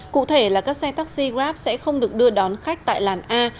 cụ thể là các xe taxi grab sẽ không được đưa đón khách tại làn a